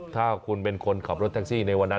ถ้าคุณเป็นคนขับรถแท็กซี่ในวันนั้น